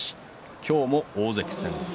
今日も大関戦です。